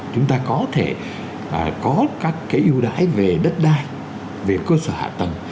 chúng ta có thể có các cái ưu đãi về đất đai về cơ sở hạ tầng